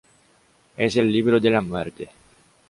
Es el Libro de la muerte.